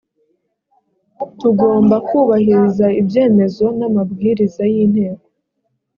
tugomba kubahiriza ibyemezo n’amabwiriza y’inteko